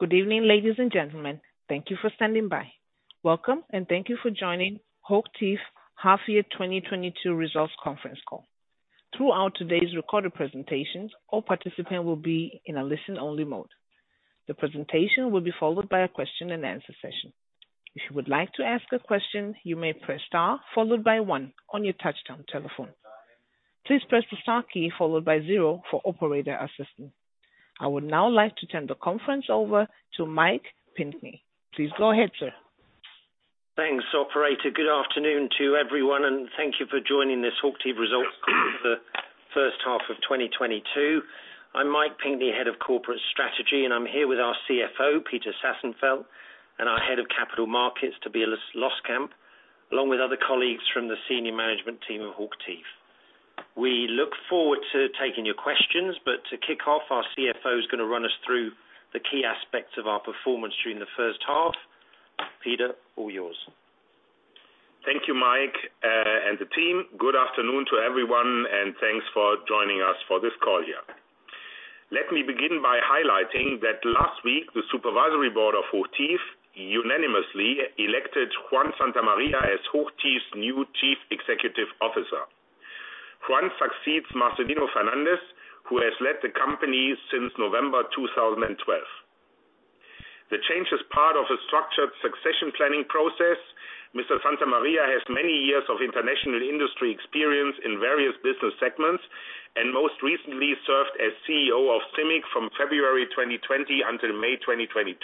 Good evening, ladies and gentlemen. Thank you for standing by. Welcome, and thank you for joining HOCHTIEF Half Year 2022 Results Conference Call. Throughout today's recorded presentations, all participant will be in a listen-only mode. The presentation will be followed by a question-and-answer session. If you would like to ask a question, you may press star followed by one on your touchtone telephone. Please press the star key followed by zero for operator assistance. I would now like to turn the conference over to Mike Pinkney. Please go ahead, sir. Thanks, operator. Good afternoon to everyone, and thank you for joining this HOCHTIEF results call for first half of 2022. I'm Mike Pinkney, Head of Corporate Strategy, and I'm here with our CFO, Peter Sassenfeld, and our Head of Capital Markets, Tobias Loskamp, along with other colleagues from the senior management team of HOCHTIEF. We look forward to taking your questions, but to kick off, our CFO is gonna run us through the key aspects of our performance during the first half. Peter, all yours. Thank you, Mike, and the team. Good afternoon to everyone, and thanks for joining us for this call here. Let me begin by highlighting that last week, the supervisory board of HOCHTIEF unanimously elected Juan Santamaría as HOCHTIEF's new Chief Executive Officer. Juan succeeds Marcelino Fernández, who has led the company since November 2012. The change is part of a structured succession planning process. Mr. Santamaría has many years of international industry experience in various business segments, and most recently served as CEO of CIMIC from February 2020 until May 2022,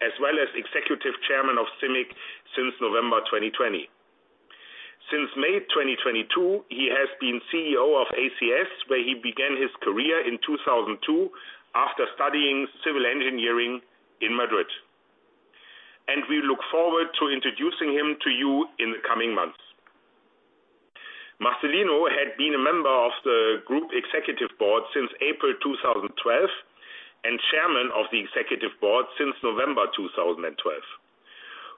as well as executive chairman of CIMIC since November 2020. Since May 2022, he has been CEO of ACS, where he began his career in 2002 after studying civil engineering in Madrid. We look forward to introducing him to you in the coming months. Marcelino Fernández had been a member of the group executive board since April 2012, and chairman of the executive board since November 2012.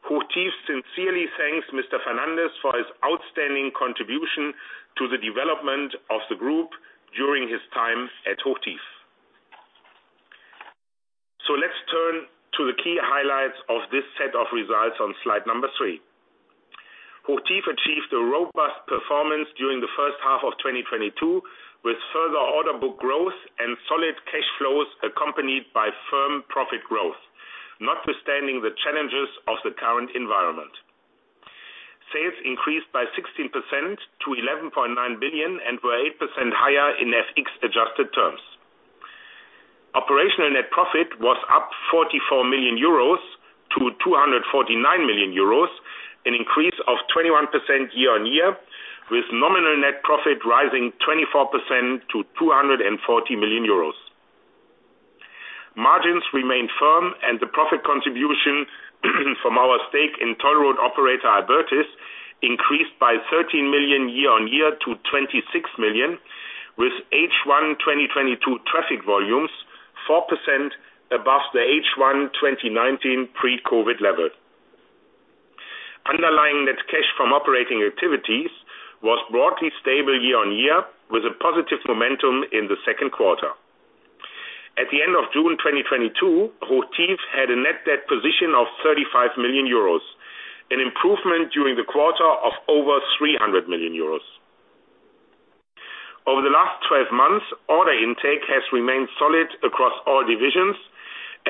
HOCHTIEF sincerely thanks Mr. Fernández for his outstanding contribution to the development of the group during his time at HOCHTIEF. Let's turn to the key highlights of this set of results on Slide 3. HOCHTIEF achieved a robust performance during the first half of 2022, with further order book growth and solid cash flows accompanied by firm profit growth, notwithstanding the challenges of the current environment. Sales increased by 16% to 11.9 billion and were 8% higher in FX-adjusted terms. Operational net profit was up 44 million euros to 249 million euros, an increase of 21% year-on-year, with nominal net profit rising 24% to 240 million euros. Margins remained firm and the profit contribution from our stake in toll road operator Abertis increased by 13 million year-on-year to 26 million, with H1 2022 traffic volumes 4% above the H1 2019 pre-COVID level. Underlying net cash from operating activities was broadly stable year-on-year, with a positive momentum in the second quarter. At the end of June 2022, HOCHTIEF had a net debt position of 35 million euros, an improvement during the quarter of over 300 million euros. Over the last 12 months, order intake has remained solid across all divisions,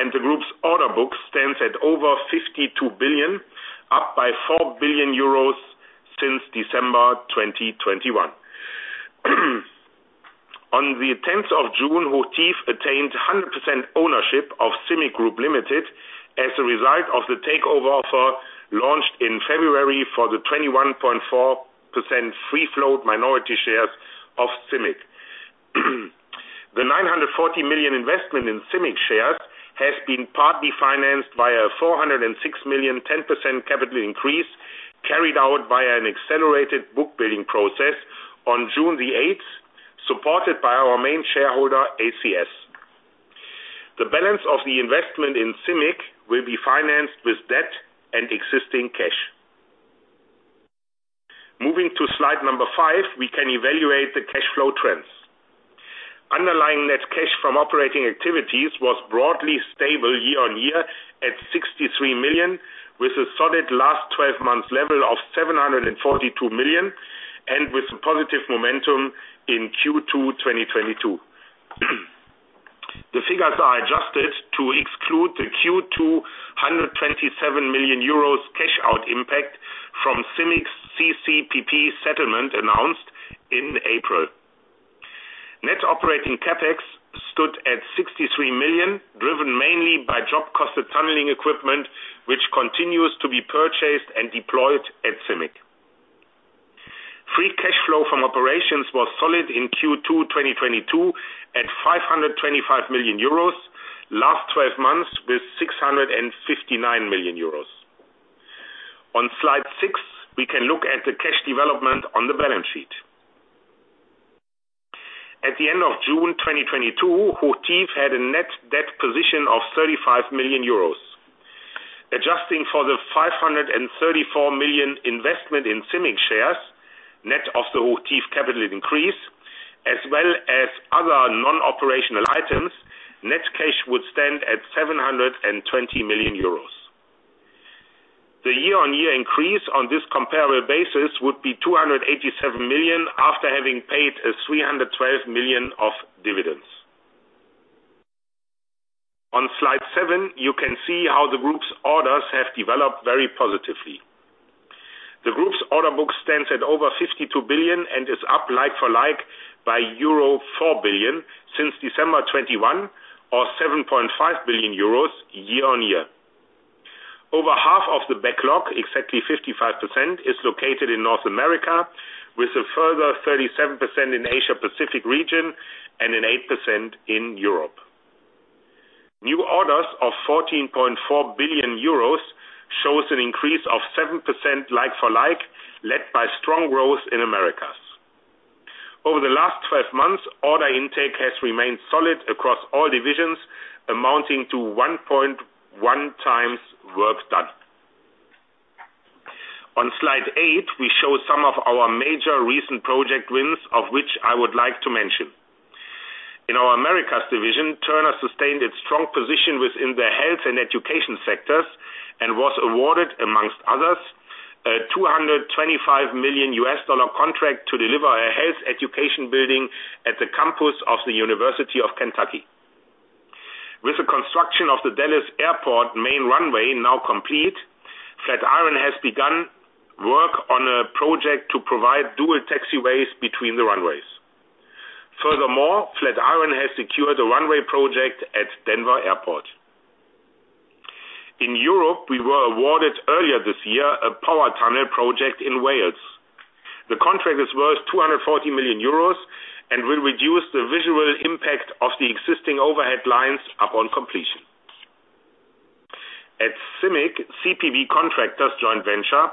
and the group's order book stands at over 52 billion, up by 4 billion euros since December 2021. On the 10th of June, HOCHTIEF attained 100% ownership of CIMIC Group Limited as a result of the takeover offer launched in February for the 21.4% free float minority shares of CIMIC. The 940 million investment in CIMIC shares has been partly financed by a 406 million 10% capital increase carried out via an accelerated book building process on June 8th, supported by our main shareholder, ACS. The balance of the investment in CIMIC will be financed with debt and existing cash. Moving to Slide 5, we can evaluate the cash flow trends. Underlying net cash from operating activities was broadly stable year-on-year at 63 million, with a solid last 12 months level of 742 million and with positive momentum in Q2 2022. The figures are adjusted to exclude the Q2 227 million euros cash out impact from CIMIC's CCPP settlement announced in April. Net operating CapEx stood at 63 million, driven mainly by job-costed tunneling equipment, which continues to be purchased and deployed at CIMIC. Free cash flow from operations was solid in Q2 2022 at 525 million euros, last 12 months with 659 million euros. On Slide 6, we can look at the cash development on the balance sheet. At the end of June 2022, HOCHTIEF had a net debt position of 35 million euros. Adjusting for the 534 million investment in CIMIC shares, net of the HOCHTIEF capital increase, as well as other non-operational items, net cash would stand at 720 million euros. The year-over-year increase on this comparable basis would be 287 million after having paid 312 million of dividends. On Slide 7, you can see how the group's orders have developed very positively. The group's order book stands at over 52 billion and is up like-for-like by euro 4 billion since December 2021 or 7.5 billion euros year-over-year. Over half of the backlog, exactly 55%, is located in North America, with a further 37% in Asia-Pacific region and an 8% in Europe. New orders of 14.4 billion euros shows an increase of 7% like for like, led by strong growth in Americas. Over the last 12 months, order intake has remained solid across all divisions, amounting to 1.1x work done. On Slide 8, we show some of our major recent project wins, of which I would like to mention. In our Americas division, Turner sustained its strong position within the health and education sectors and was awarded, among others, a $225 million contract to deliver a health education building at the campus of the University of Kentucky. With the construction of the Dallas Airport main runway now complete, Flatiron has begun work on a project to provide dual taxiways between the runways. Furthermore, Flatiron has secured a runway project at Denver Airport. In Europe, we were awarded earlier this year a power tunnel project in Wales. The contract is worth 240 million euros and will reduce the visual impact of the existing overhead lines upon completion. At CIMIC, CPB Contractors joint venture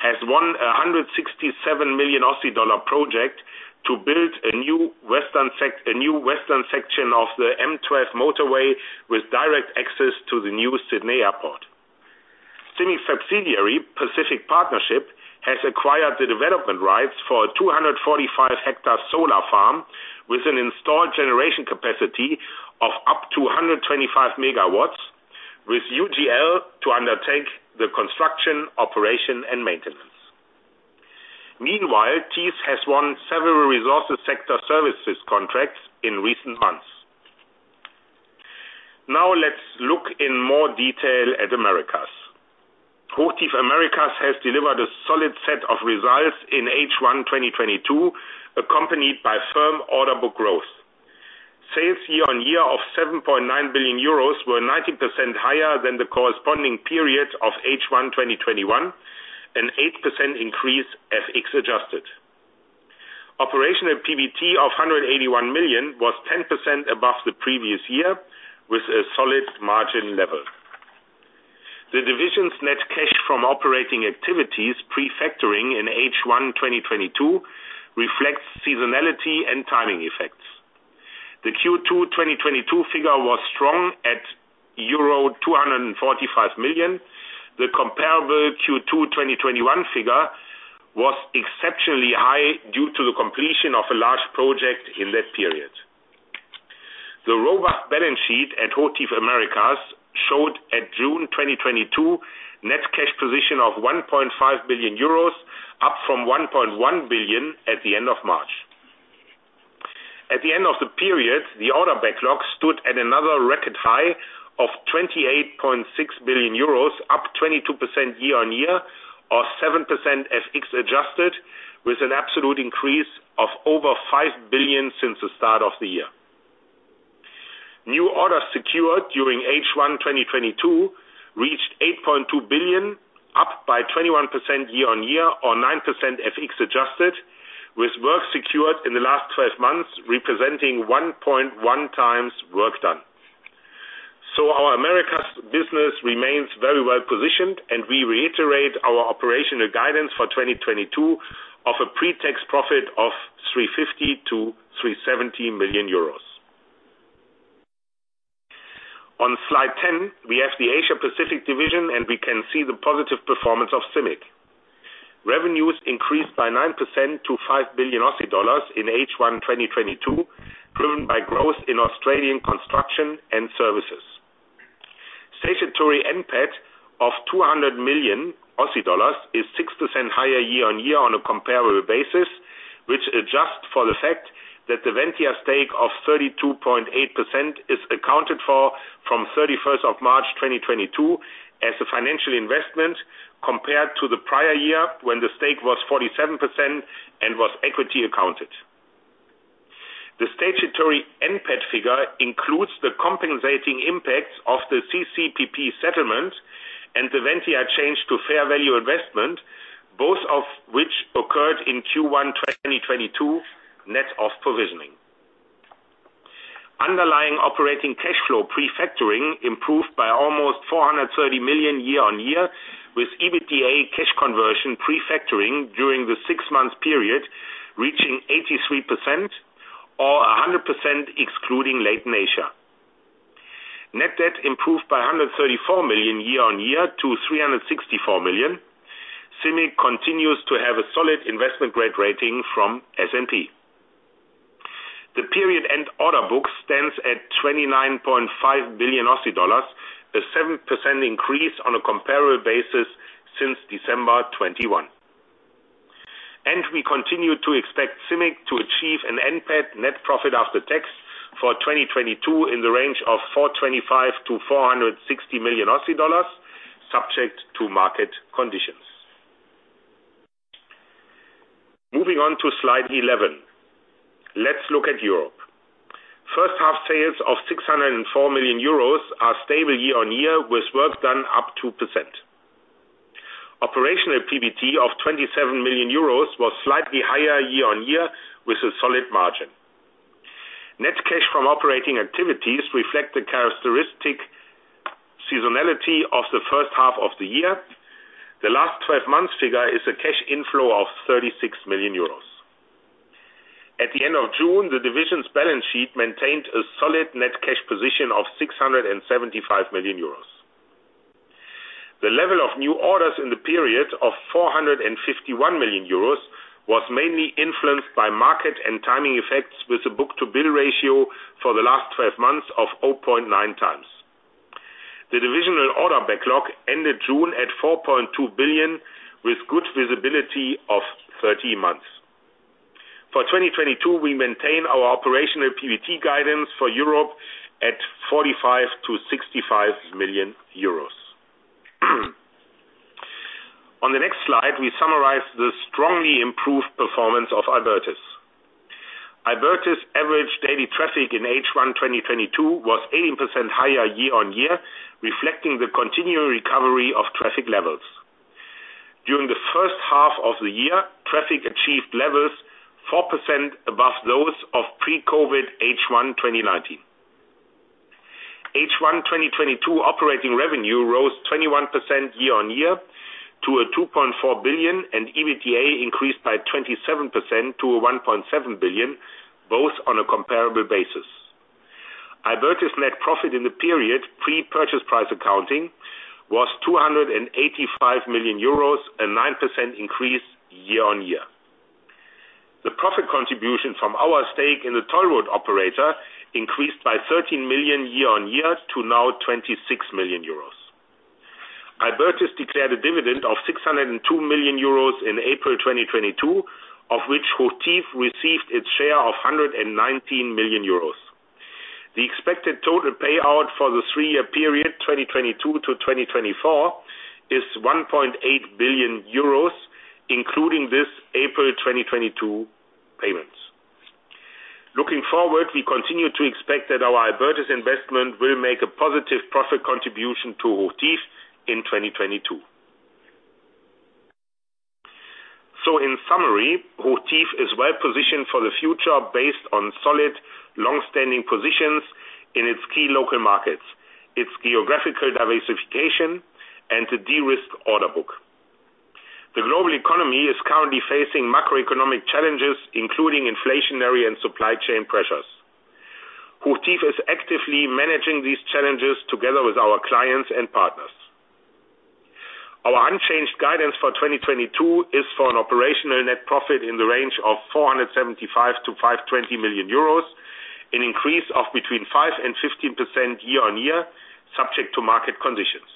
has won 167 million Aussie dollar project to build a new western section of the M12 motorway with direct access to the new Sydney Airport. CIMIC subsidiary, Pacific Partnerships, has acquired the development rights for a 245-hectare solar farm with an installed generation capacity of up to 125 MW with UGL to undertake the construction, operation, and maintenance. Meanwhile, Thiess has won several resources sector services contracts in recent months. Now let's look in more detail at Americas. HOCHTIEF Americas has delivered a solid set of results in H1 2022, accompanied by firm order book growth. Sales year-on-year of 7.9 billion euros were 19% higher than the corresponding period of H1 2021, an 8% increase FX adjusted. Operational PBT of 181 million was 10% above the previous year with a solid margin level. The division's net cash from operating activities pre-factoring in H1 2022 reflects seasonality and timing effects. The Q2 2022 figure was strong at euro 245 million. The comparable Q2 2021 figure was exceptionally high due to the completion of a large project in that period. The robust balance sheet at HOCHTIEF Americas showed at June 2022 net cash position of 1.5 billion euros, up from 1.1 billion at the end of March. At the end of the period, the order backlog stood at another record high of 28.6 billion euros, up 22% year-on-year or 7% FX adjusted, with an absolute increase of over 5 billion since the start of the year. New orders secured during H1 2022 reached 8.2 billion, up by 21% year-on-year or 9% FX adjusted, with work secured in the last 12 months representing 1.1 times work done. Our Americas business remains very well-positioned, and we reiterate our operational guidance for 2022 of a pre-tax profit of 350 million euros to 370 million euros. On Slide 10, we have the Asia Pacific division, and we can see the positive performance of CIMIC. Revenues increased by 9% to 5 billion Aussie dollars in H1 2022, driven by growth in Australian construction and services. Statutory NPAT of 200 million Aussie dollars is 6% higher year-on-year on a comparable basis, which adjusts for the fact that the Ventia stake of 32.8% is accounted for from March 31, 2022 as a financial investment compared to the prior year when the stake was 47% and was equity accounted. The statutory NPAT figure includes the compensating impacts of the CCPP settlement and the Ventia change to fair value investment, both of which occurred in Q1 2022, net of provisioning. Underlying operating cash flow pre-factoring improved by almost 430 million year-on-year, with EBITDA cash conversion pre-factoring during the six-month period reaching 83%. Or 100% excluding LatAm Asia. Net debt improved by 134 million year-on-year to 364 million. CIMIC continues to have a solid investment-grade rating from S&P. The period end order book stands at 29.5 billion Aussie dollars, a 7% increase on a comparable basis since December 2021. We continue to expect CIMIC to achieve an NPAT net profit after tax for 2022 in the range of 425 million-460 million Aussie dollars, subject to market conditions. Moving on to Slide 11. Let's look at Europe. First half sales of 604 million euros are stable year-on-year with work done up 2%. Operational PBT of 27 million euros was slightly higher year-on-year with a solid margin. Net cash from operating activities reflect the characteristic seasonality of the first half of the year. The last 12 months figure is a cash inflow of 36 million euros. At the end of June, the division's balance sheet maintained a solid net cash position of 675 million euros. The level of new orders in the period of 451 million euros was mainly influenced by market and timing effects with a book-to-bill ratio for the last 12 months of 0.9x. The divisional order backlog ended June at 4.2 billion with good visibility of 13 months. For 2022, we maintain our operational PBT guidance for Europe at 45 million-65 million euros. On the next slide, we summarize the strongly improved performance of Abertis. Abertis average daily traffic in H1 2022 was 18% higher year-over-year, reflecting the continuing recovery of traffic levels. During the first half of the year, traffic achieved levels 4% above those of pre-COVID H1 2019. H1 2022 operating revenue rose 21% year-on-year to 2.4 billion, and EBITDA increased by 27% to 1.7 billion, both on a comparable basis. Abertis net profit in the period, pre-purchase price accounting, was 285 million euros, a 9% increase year-on-year. The profit contribution from our stake in the toll road operator increased by 13 million year-on-year to now 26 million euros. Abertis declared a dividend of 602 million euros in April 2022, of which HOCHTIEF received its share of 119 million euros. The expected total payout for the three-year period, 2022 to 2024, is 1.8 billion euros, including this April 2022 payments. Looking forward, we continue to expect that our Abertis investment will make a positive profit contribution to HOCHTIEF in 2022. In summary, HOCHTIEF is well positioned for the future based on solid long-standing positions in its key local markets, its geographical diversification and the de-risked order book. The global economy is currently facing macroeconomic challenges, including inflationary and supply chain pressures. HOCHTIEF is actively managing these challenges together with our clients and partners. Our unchanged guidance for 2022 is for an operational net profit in the range of 475 million to 520 million euros, an increase of between 5% and 15% year-on-year subject to market conditions.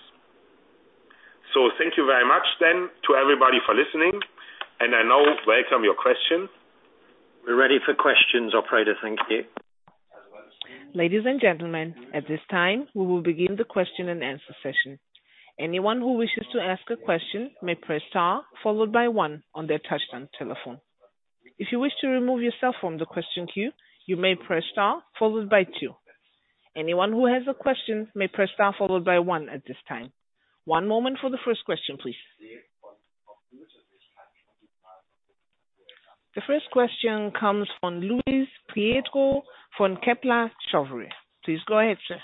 Thank you very much then to everybody for listening, and I now welcome your question. We're ready for questions, operator. Thank you. Ladies and gentlemen, at this time we will begin the question and answer session. Anyone who wishes to ask a question may press star followed by one on their touch-tone telephone. If you wish to remove yourself from the question queue, you may press star followed by two. Anyone who has a question may press star followed by one at this time. One moment for the first question, please. The first question comes from Luis Prieto of Kepler Cheuvreux. Please go ahead, sir.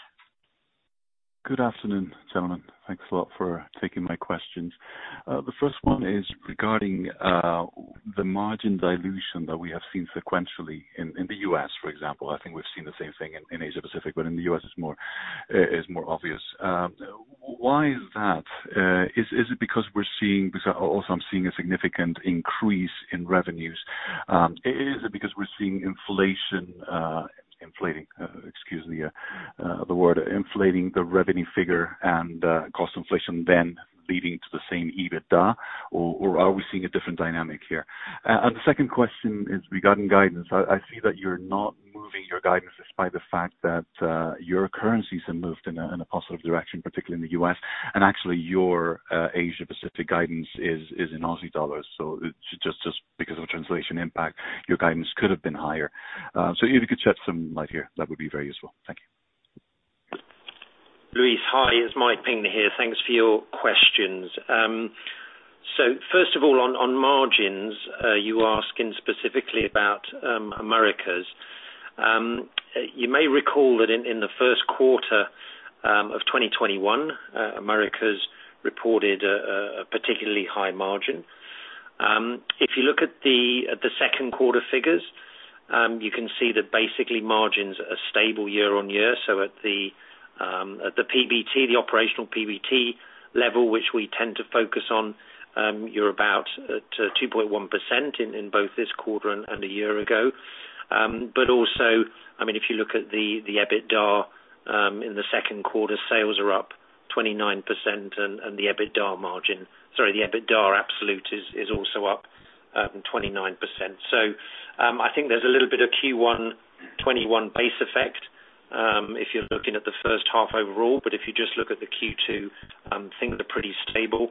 Good afternoon, gentlemen. Thanks a lot for taking my questions. The first one is regarding the margin dilution that we have seen sequentially in the U.S., for example. I think we've seen the same thing in Asia Pacific, but in the U.S. it's more obvious. Why is that? Because also I'm seeing a significant increase in revenues. Is it because we're seeing inflation inflating, excuse me, the word inflating the revenue figure and cost inflation then leading to the same EBITDA or are we seeing a different dynamic here? The second question is regarding guidance. I see that you're not moving your guidance despite the fact that your currencies have moved in a positive direction, particularly in the U.S. and actually your Asia Pacific guidance is in Aussie dollars. Just because of translation impact, your guidance could have been higher. If you could shed some light here, that would be very useful. Thank you. Luis Prieto. Hi, it's Mike Pinkney here. Thanks for your questions. First of all, on margins, you're asking specifically about Americas. You may recall that in the first quarter of 2021, Americas reported a particularly high margin. If you look at the second quarter figures, you can see that basically margins are stable year-on-year. At the PBT, the operational PBT level, which we tend to focus on, you're about 2.1% in both this quarter and a year ago. But also, I mean, if you look at the EBITDA in the second quarter, sales are up 29% and the EBITDA absolute is also up 29%. I think there's a little bit of Q1 2021 base effect, if you're looking at the first half overall. If you just look at the Q2, things are pretty stable.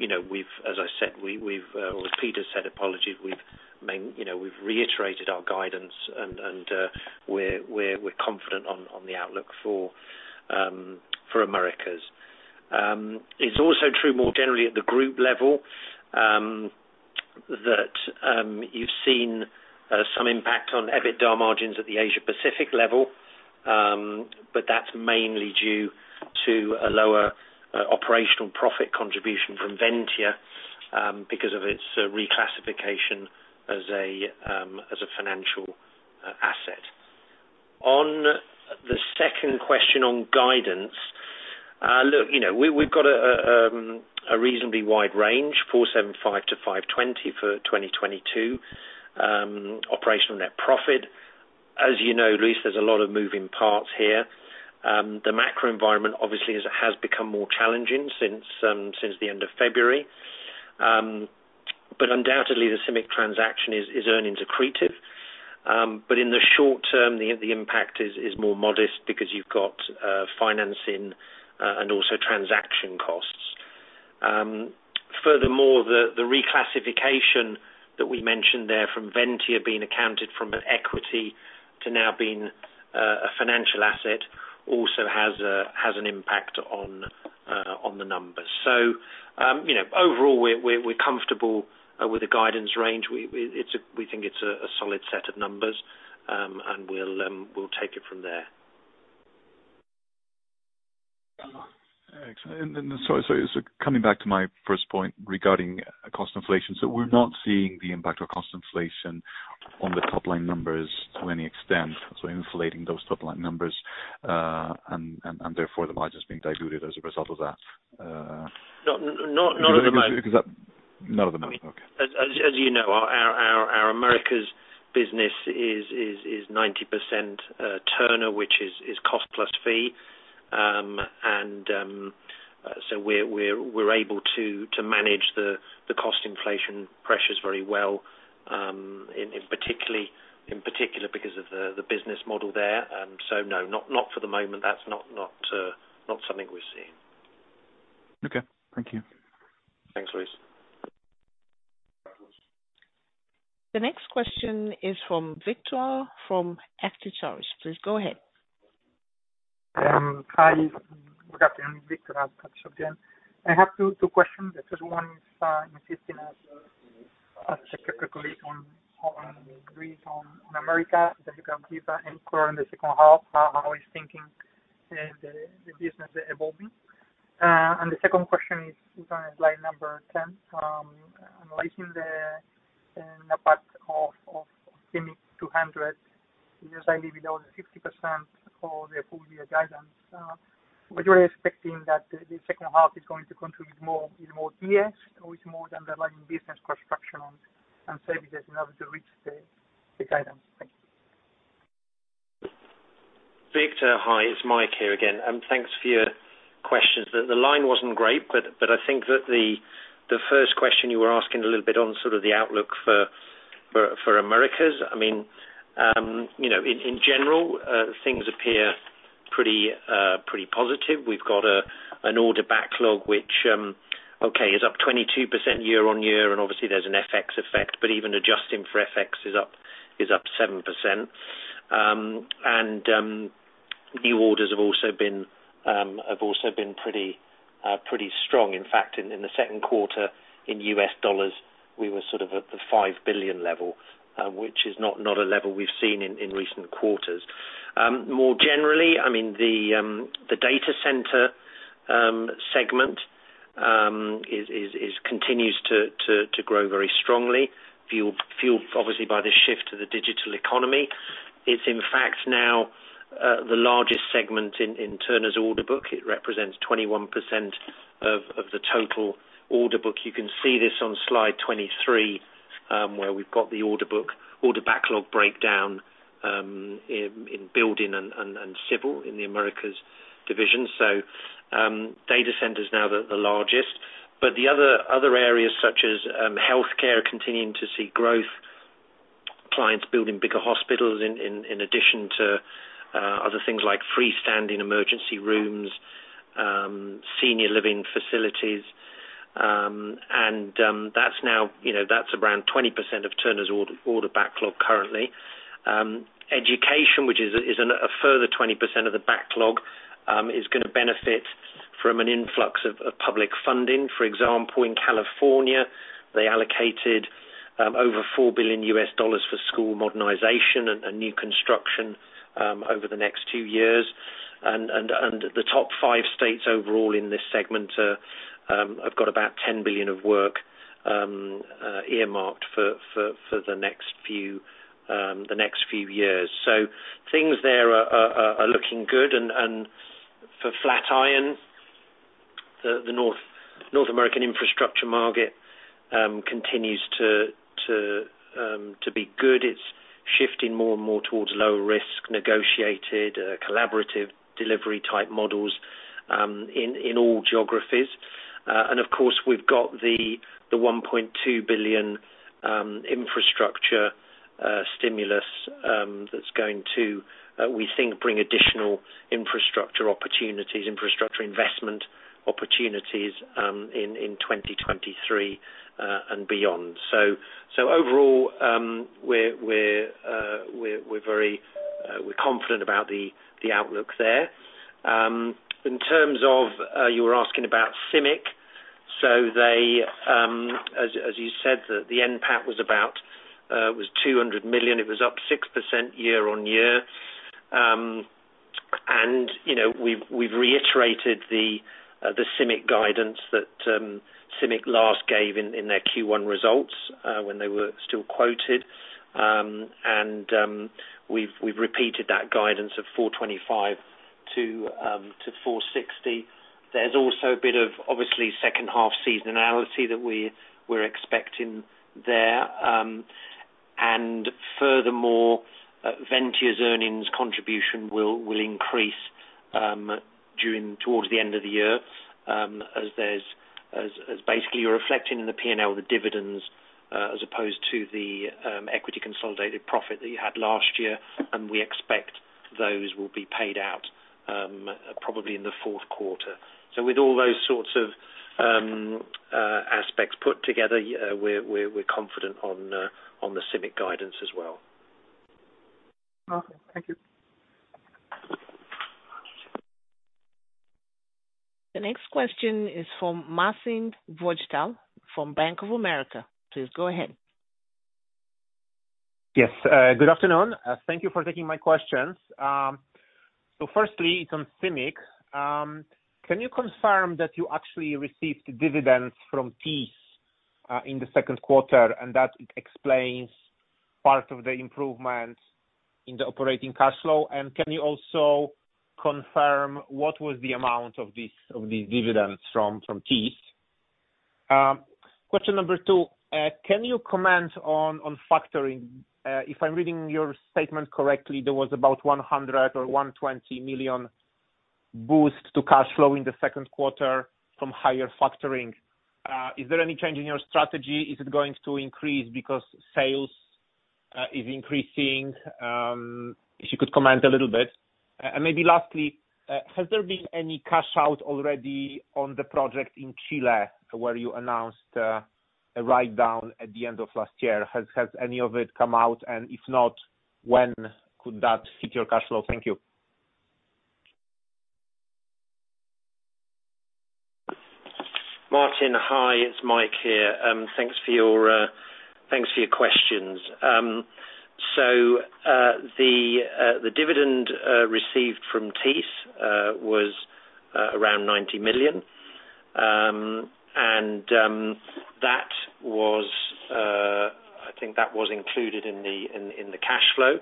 You know, as I said, we've, or Peter said, apologies, you know, we've reiterated our guidance and we're confident on the outlook for Americas. It's also true more generally at the group level, that you've seen some impact on EBITDA margins at the Asia Pacific level, but that's mainly due to a lower operational profit contribution from Ventia, because of its reclassification as a financial asset. On the second question on guidance, look, you know, we've got a reasonably wide range, 475 million to 520 million for 2022 operational net profit. As you know, Luis, there's a lot of moving parts here. The macro environment, obviously, has become more challenging since the end of February. Undoubtedly, the CIMIC transaction is earnings accretive. In the short term, the impact is more modest because you've got financing and also transaction costs. Furthermore, the reclassification that we mentioned there from Ventia being accounted for as an equity to now being a financial asset also has an impact on the numbers. You know, overall, we're comfortable with the guidance range. We think it's a solid set of numbers, and we'll take it from there. Excellent. Coming back to my first point regarding cost inflation. We're not seeing the impact of cost inflation on the top-line numbers to any extent. Inflating those top-line numbers, and therefore the margins being diluted as a result of that. No, not at the moment. None of them. Okay. As you know, our Americas business is 90% Turner, which is cost plus fee. We're able to manage the cost inflation pressures very well, in particular because of the business model there. No, not for the moment. That's not something we're seeing. Okay. Thank you. Thanks, Luis. The next question is from Victor from Actinver. Please go ahead. Hi. Good afternoon, Victor at Actinver. I have two questions. The first one is as a category on brief on Americas, the recovery and order in the second half, how are you thinking the business evolving? The second question is on Slide 10, analyzing the a part of CIMIC 200, just slightly below the 50% for the full year guidance. What are you expecting that the second half is going to contribute more? Is it more mix or is it more the underlying business construction and services in order to reach the guidance? Thank you. Victor, hi, it's Mike here again. Thanks for your questions. The line wasn't great, but I think that the first question you were asking a little bit on sort of the outlook for Americas. I mean, you know, in general, things appear pretty positive. We've got an order backlog which, okay, is up 22% year-on-year, and obviously there's an FX effect, but even adjusting for FX is up 7%. And new orders have also been pretty strong. In fact, in the second quarter in U.S. dollars, we were sort of at the $5 billion level, which is not a level we've seen in recent quarters. More generally, I mean, the data center segment continues to grow very strongly, fueled obviously by the shift to the digital economy. It's in fact now the largest segment in Turner's order book. It represents 21% of the total order book. You can see this on Slide 23, where we've got the order book, order backlog breakdown in building and civil in the Americas division. Data center is now the largest. But the other areas such as healthcare continuing to see growth, clients building bigger hospitals in addition to other things like freestanding emergency rooms, senior living facilities. That's now, you know, that's around 20% of Turner's order backlog currently. Education, which is a further 20% of the backlog, is gonna benefit from an influx of public funding. For example, in California, they allocated over $4 billion for school modernization and new construction over the next two years. The top five states overall in this segment have got about $10 billion of work earmarked for the next few years. Things there are looking good. For Flatiron, the North American infrastructure market continues to be good. It's shifting more and more towards low-risk, negotiated, collaborative delivery-type models in all geographies. Of course, we've got the 1.2 billion infrastructure stimulus that's going to we think bring additional infrastructure opportunities, infrastructure investment opportunities in 2023 and beyond. Overall, we're very confident about the outlook there. In terms of you were asking about CIMIC, they as you said that the NPAT was about 200 million. It was up 6% year-on-year. You know, we've reiterated the CIMIC guidance that CIMIC last gave in their Q1 results when they were still quoted. We've repeated that guidance of 425 million to 460 million. There's also a bit of obviously second half seasonality that we're expecting there. Furthermore, Ventia's earnings contribution will increase towards the end of the year, as basically you're reflecting in the P&L, the dividends, as opposed to the equity consolidated profit that you had last year, and we expect those will be paid out probably in the fourth quarter. With all those sorts of aspects put together, we're confident on the CIMIC guidance as well. Okay. Thank you. The next question is from Marcin Wojtal from Bank of America. Please go ahead. Yes. Good afternoon. Thank you for taking my questions. Firstly, it's on CIMIC. Can you confirm that you actually received dividends from Thiess in the second quarter, and that explains part of the improvement in the operating cash flow? Can you also confirm what was the amount of these dividends from Thiess? Question number 2, can you comment on factoring? If I'm reading your statement correctly, there was about 100 million or 120 million boost to cash flow in the second quarter from higher factoring. Is there any change in your strategy? Is it going to increase because sales is increasing? If you could comment a little bit. Maybe lastly, has there been any cash out already on the project in Chile where you announced a write down at the end of last year? Has any of it come out? If not, when could that hit your cash flow? Thank you. Martin. Hi, it's Mike here. Thanks for your questions. The dividend received from Thiess was around 90 million. That was, I think, included in the cash flow.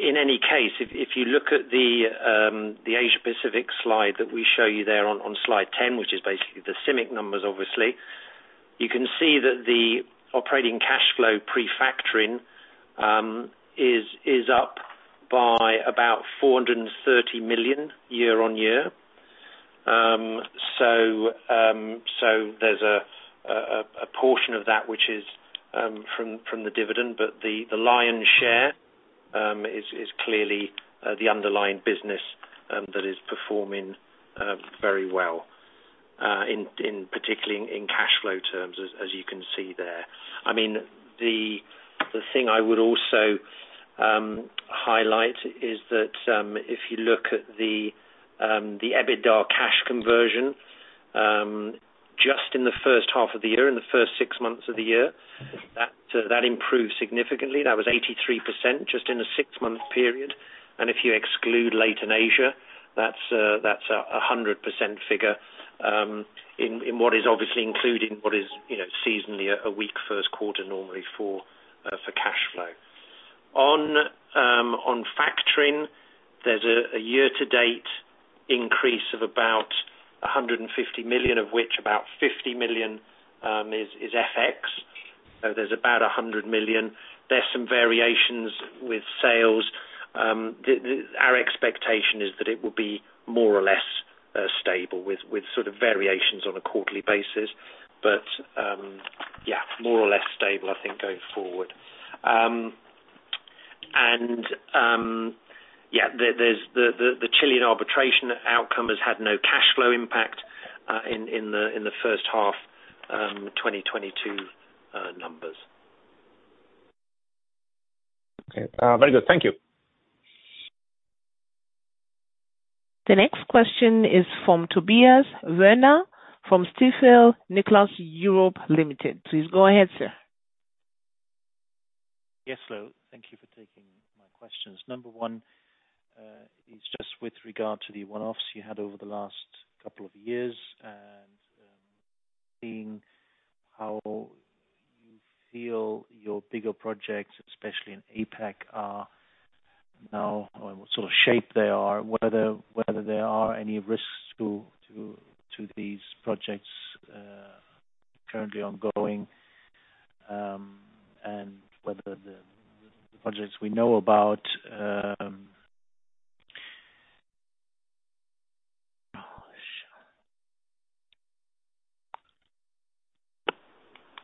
In any case, if you look at the Asia Pacific slide that we show you there on Slide 10, which is basically the CIMIC numbers, obviously, you can see that the operating cash flow pre-factoring is up by about 430 million year-on-year. So there's a portion of that which is from the dividend, but the lion's share is clearly the underlying business that is performing very well, particularly in cash flow terms as you can see there. I mean, the thing I would also highlight is that if you look at the EBITDA cash conversion just in the first half of the year, in the first six months of the year, that improved significantly. That was 83% just in a six-month period. If you exclude Latin Asia, that's a 100% figure in what is obviously, you know, seasonally a weak first quarter normally for cash flow. On factoring, there's a year to date increase of about 150 million, of which about 50 million is FX. There's about 100 million. There's some variations with sales. Our expectation is that it will be more or less stable with sort of variations on a quarterly basis. Yeah, more or less stable, I think, going forward. Yeah, the Chilean arbitration outcome has had no cash flow impact in the first half 2022. Okay. Very good. Thank you. The next question is from Tobias Woerner from Stifel Nicolaus Europe Limited. Please go ahead, sir. Yes, hello. Thank you for taking my questions. Number one is just with regard to the one-offs you had over the last couple of years, and seeing how you feel your bigger projects, especially in APAC, are now or what sort of shape they are, whether there are any risks to these projects currently ongoing, and whether the projects we know about.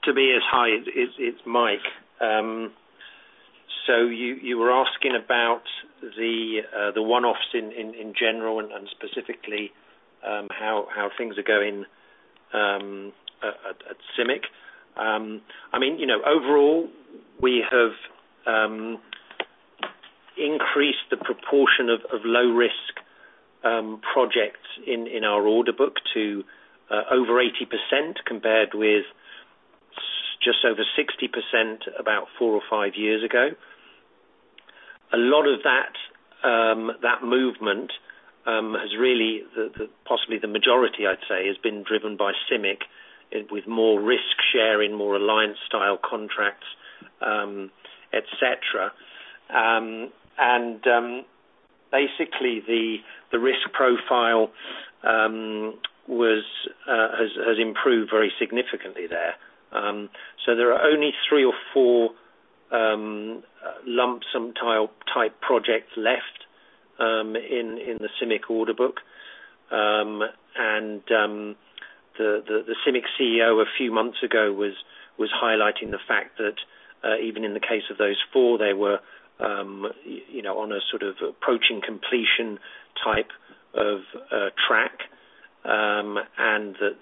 Tobias, hi. It's Mike. You were asking about the one-offs in general and specifically how things are going at CIMIC. I mean, you know, overall, we have increased the proportion of low risk projects in our order book to over 80% compared with just over 60% about four or five years ago. A lot of that movement, possibly the majority I'd say, has been driven by CIMIC with more risk sharing, more alliance-style contracts, et cetera. Basically the risk profile has improved very significantly there. There are only three or four lump sum turnkey-type projects left in the CIMIC order book. The CIMIC CEO a few months ago was highlighting the fact that even in the case of those four, they were, you know, on a sort of approaching completion type of track and that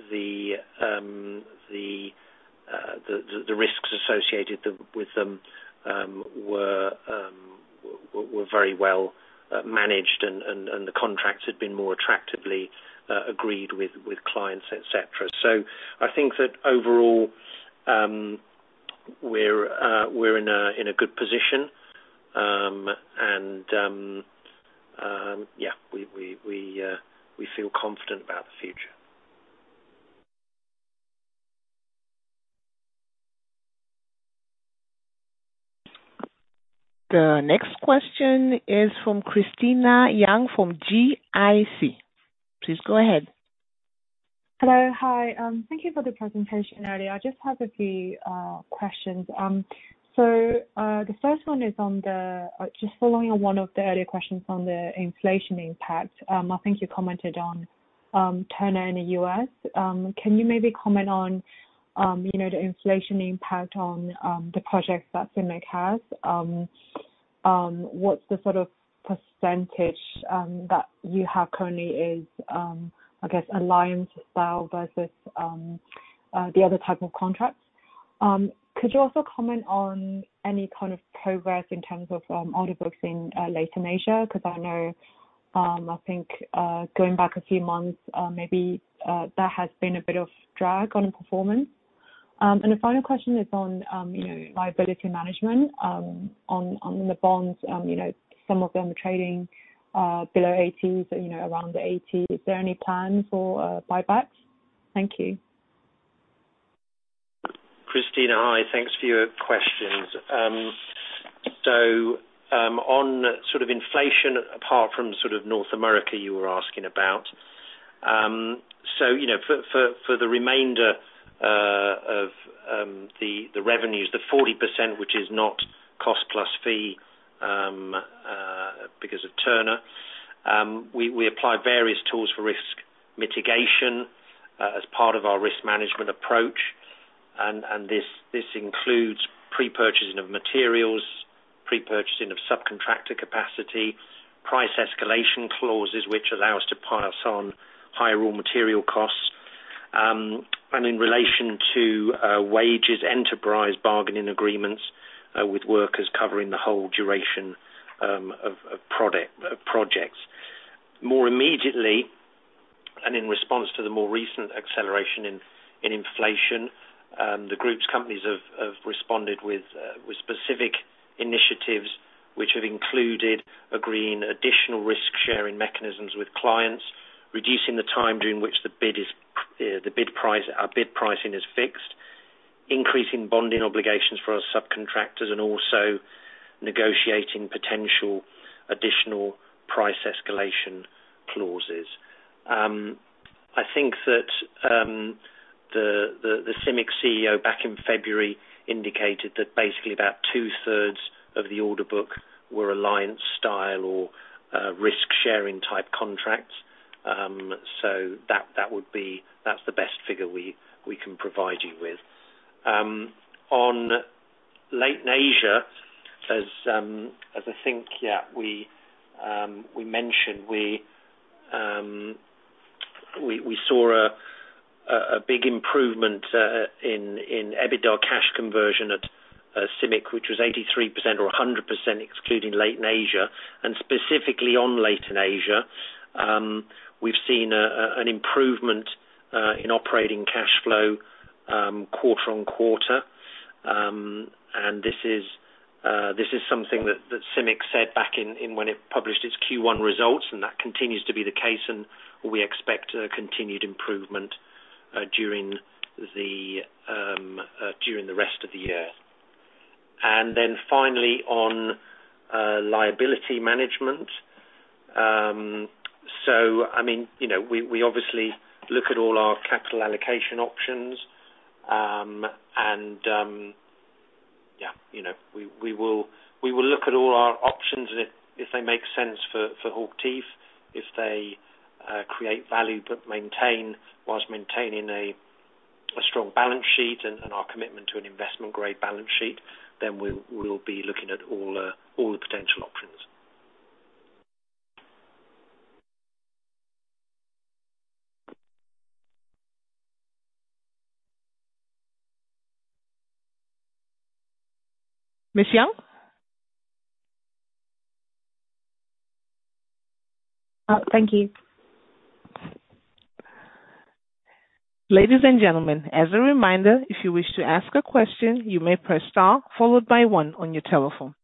the risks associated with them were very well managed and the contracts had been more attractively agreed with clients, et cetera. I think that overall, we're in a good position. Yeah, we feel confident about the future. The next question is from Christina Yang from GIC. Please go ahead. Hello. Hi. Thank you for the presentation earlier. I just have a few questions. The first one is just following on one of the earlier questions on the inflation impact. I think you commented on Turner in the US. Can you maybe comment on, you know, the inflation impact on the projects that CIMIC has? What's the sort of percentage that you have currently is, I guess Alliance-style versus the other type of contracts? Could you also comment on any kind of progress in terms of order books in Leighton Asia? Because I know, I think, going back a few months, maybe, that has been a bit of drag on the performance. The final question is on, you know, liability management on the bonds. You know, some of them are trading below par, you know, around par. Is there any plans for buybacks? Thank you. Christina. Hi. Thanks for your questions. On sort of inflation, apart from sort of North America you were asking about, you know, for the remainder of the revenues, the 40%, which is not cost plus fee, because of Turner, we apply various tools for risk mitigation, as part of our risk management approach. This includes pre-purchasing of materials, pre-purchasing of subcontractor capacity, price escalation clauses which allow us to pass on higher raw material costs. In relation to wages, enterprise bargaining agreements with workers covering the whole duration of projects. More immediately, in response to the more recent acceleration in inflation, the group's companies have responded with specific initiatives, which have included agreeing additional risk sharing mechanisms with clients, reducing the time during which the bid price, our bid pricing, is fixed, increasing bonding obligations for our subcontractors, and also negotiating potential additional price escalation clauses. I think that the CIMIC CEO back in February indicated that basically about two-thirds of the order book were Alliance-style or risk sharing type contracts. That would be the best figure we can provide you with. On Leighton Asia, as I think we mentioned, big improvement in EBITDA-to-cash conversion at CIMIC, which was 83% or 100% excluding Leighton Asia. Specifically on Leighton Asia, we've seen an improvement in operating cash flow quarter on quarter. This is something that CIMIC said back when it published its Q1 results, and that continues to be the case. We expect a continued improvement during the rest of the year. Finally on liability management. I mean, you know, we obviously look at all our capital allocation options, and yeah, you know, we will look at all our options and if they make sense, if they create value whilst maintaining a strong balance sheet and our commitment to an investment grade balance sheet, then we'll be looking at all the potential options. Miss Yang? Thank you. Ladies and gentlemen, as a reminder, if you wish to ask a question, you may press star followed by one on your telephone.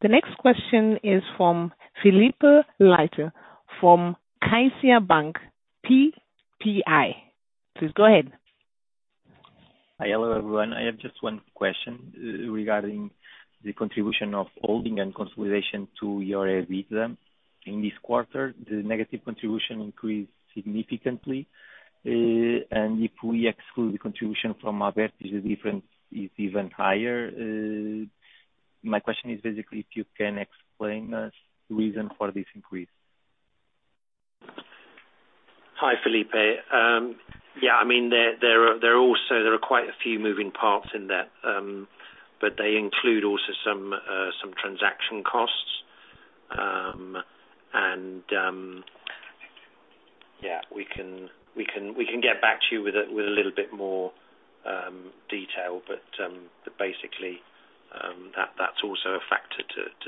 The next question is from Filipe Leite from CaixaBank BPI. Please go ahead. Hi. Hello, everyone. I have just one question regarding the contribution of holding and consolidation to your EBITDA. In this quarter, the negative contribution increased significantly. If we exclude the contribution from Abertis, the difference is even higher. My question is basically if you can explain the reason for this increase. Hi, Filipe. Yeah, I mean, there are quite a few moving parts in there. They include also some transaction costs. We can get back to you with a little bit more detail. Basically, that's also a factor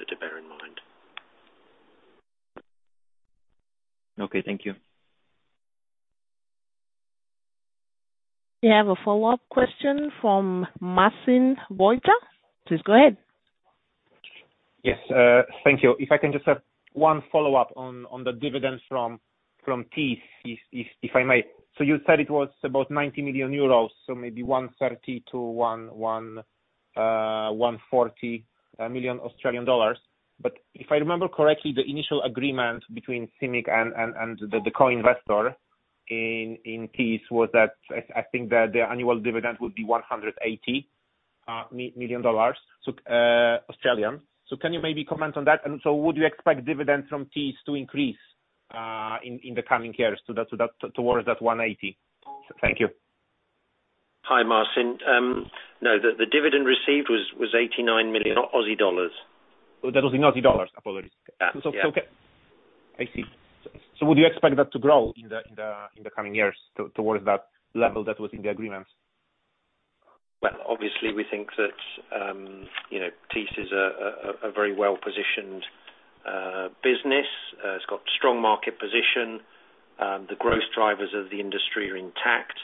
to bear in mind. Okay, thank you. You have a follow-up question from Marcin Wojtal. Please go ahead. Yes, thank you. If I can just have one follow-up on the dividends from Thiess, if I may. You said it was about 90 million euros, so maybe 130 million Australian dollars to 140 million Australian dollars. But if I remember correctly, the initial agreement between CIMIC and the co-investor in Thiess was that I think that their annual dividend would be 180 million dollars, so Australian. Can you maybe comment on that? Would you expect dividends from Thiess to increase in the coming years towards that 180? Thank you. Hi, Marcin. No, the dividend received was 89 million Aussie dollars. That was in Aussie dollars? Apologies. Yeah. I see. Would you expect that to grow in the coming years towards that level that was in the agreement? Well, obviously, we think that, you know, Thiess is a very well-positioned business. It's got strong market position. The growth drivers of the industry are intact.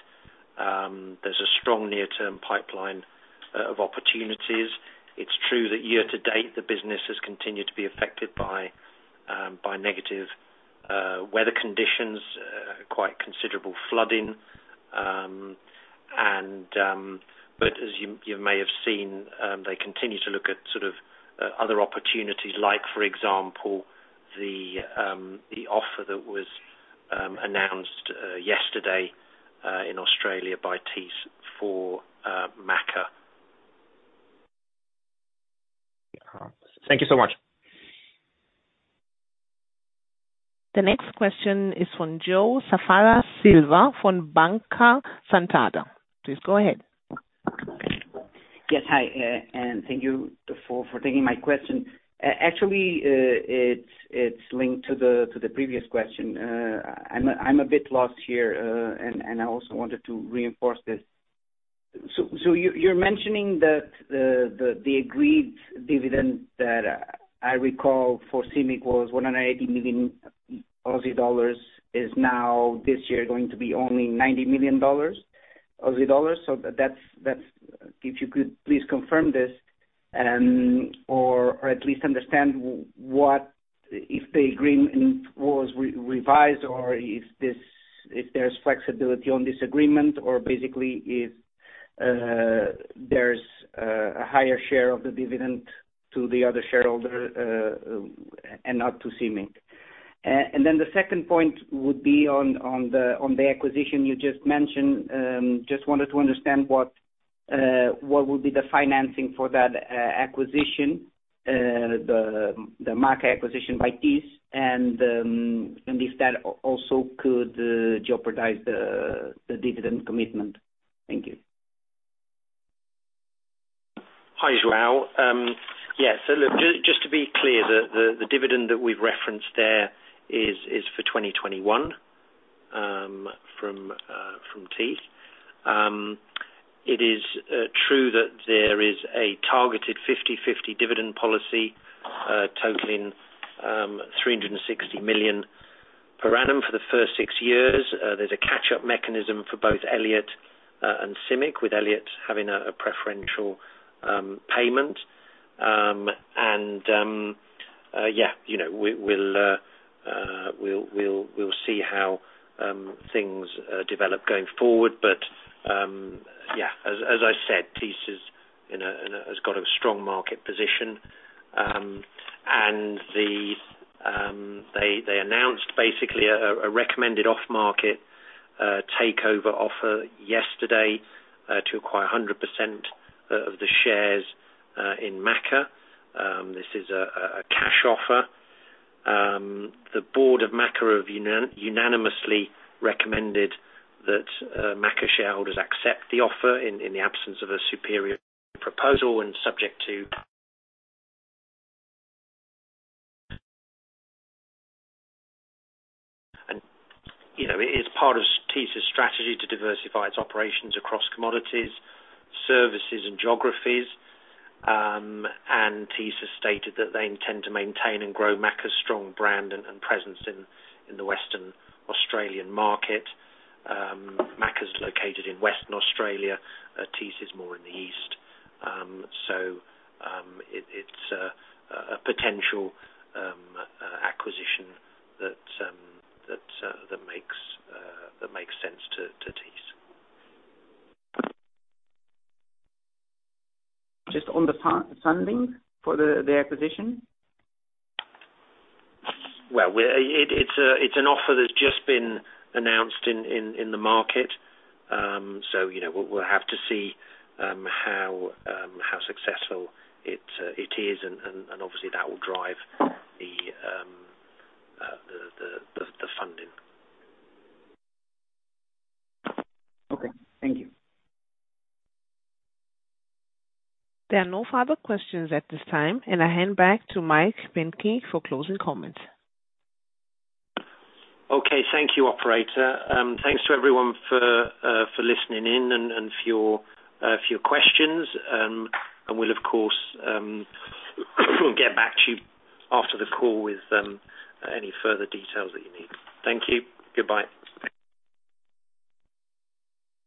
There's a strong near-term pipeline of opportunities. It's true that year to date, the business has continued to be affected by negative weather conditions, quite considerable flooding. But as you may have seen, they continue to look at sort of other opportunities, like for example, the offer that was announced yesterday in Australia by Thiess for MACA. Thank you so much. The next question is from João Safara Silva from Banco Santander. Please go ahead. Yes. Hi, and thank you for taking my question. Actually, it's linked to the previous question. I'm a bit lost here, and I also wanted to reinforce this. You're mentioning that the agreed dividend that I recall for CIMIC was 180 million Aussie dollars is now, this year, going to be only 90 million dollars. If you could please confirm this, or at least understand what if the agreement was revised or if there's flexibility on this agreement or basically if there's a higher share of the dividend to the other shareholder, and not to CIMIC. Then the second point would be on the acquisition you just mentioned. Just wanted to understand what would be the financing for that acquisition, the MACA acquisition by Thiess, and if that also could jeopardize the dividend commitment. Thank you. Hi, João. Yeah, so look, just to be clear, the dividend that we've referenced there is for 2021 from Thiess. It is true that there is a targeted 50/50 dividend policy totaling 360 million per annum for the first six years. There's a catch-up mechanism for both Elliott and CIMIC, with Elliott having a preferential payment. Yeah, you know, we'll see how things develop going forward. Yeah, as I said, Thiess has got a strong market position. They announced basically a recommended off-market takeover offer yesterday to acquire 100% of the shares in MACA. This is a cash offer. The board of MACA have unanimously recommended that MACA shareholders accept the offer in the absence of a superior proposal and subject to. You know, it is part of Thiess' strategy to diversify its operations across commodities, services, and geographies. Thiess has stated that they intend to maintain and grow MACA's strong brand and presence in the Western Australian market. MACA's located in Western Australia. Thiess is more in the east. It's a potential acquisition that makes sense to Thiess. Just on the funding for the acquisition. Well, it's an offer that's just been announced in the market. You know, we'll have to see how successful it is and obviously that will drive the funding. Okay. Thank you. There are no further questions at this time, and I hand back to Mike Pinkney for closing comments. Okay. Thank you, operator. Thanks to everyone for listening in and for your questions. We'll of course get back to you after the call with any further details that you need. Thank you. Goodbye.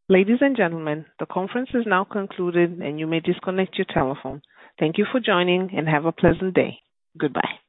Ladies and gentlemen, the conference is now concluded, and you may disconnect your telephone. Thank you for joining, and have a pleasant day. Goodbye.